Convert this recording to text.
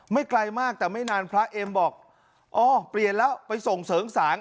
ไกลมากแต่ไม่นานพระเอ็มบอกอ๋อเปลี่ยนแล้วไปส่งเสริงสาง